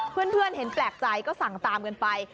เพื่อนเห็นแปลกใจก็สั่งตามกันไป